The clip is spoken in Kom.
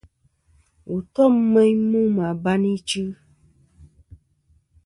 Wù tom meyn mu mɨ abayn ichɨ.